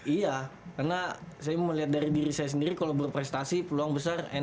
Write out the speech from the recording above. iya karena saya melihat dari diri saya sendiri kalau berprestasi peluang besar enak